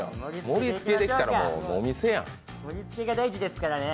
盛りつけが大事ですからね。